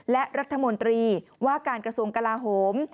และรัฐมนตรีว่าการกระทรวงกลาโหม